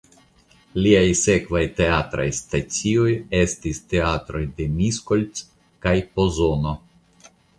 Liaj sekvaj teatraj stacioj estis teatroj de Miskolc kaj Pozono.